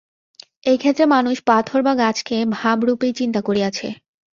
এই ক্ষেত্রে মানুষ পাথর বা গাছকে ভাবরূপেই চিন্তা করিয়াছে।